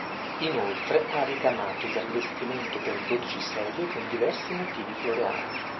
Inoltre ha ricamato il rivestimento per dodici sedie con diversi motivi floreali.